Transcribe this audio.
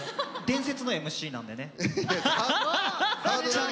伝説のＭＣなんで。